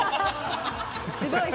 すごい。